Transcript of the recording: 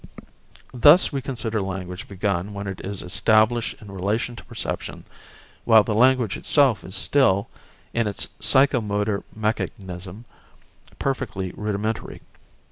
Thus we consider language begun when it is established in relation to perception; while the language itself is still, in its psycho motor mechanism, perfectly rudimentary.